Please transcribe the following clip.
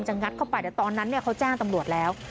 งัดเข้าไปแต่ตอนนั้นเขาแจ้งตำรวจแล้ว